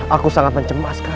aku sangat mencemaskan